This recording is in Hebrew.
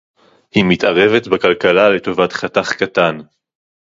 היא מתערבת בכלכלה לטובת חתך קטן